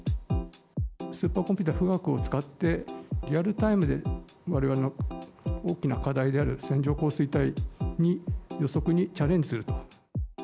スーパーコンピューター富岳を使って、リアルタイムで、われわれの大きな課題である線状降水帯の予測にチャレンジすると。